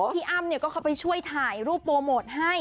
พี่อ้ำเนี่ยเขาก็ไปช่วยถ่ายรูปโปรโมทให้